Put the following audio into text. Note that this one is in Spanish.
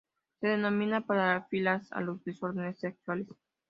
Se denominan parafilias a los desórdenes sexuales.